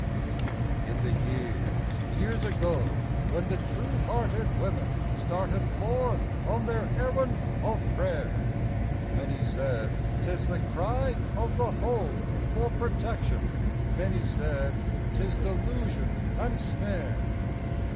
In the years, years ago, when the true hearted women, Started forth on their errand of prayer, Many said, "'Tis the cry of the Home for protection"; Many said, "'Tis delusion and snare."